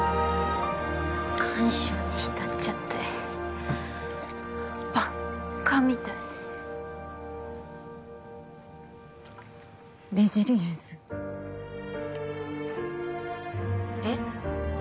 感傷にひたっちゃってバッカみたいレジリエンスえっ？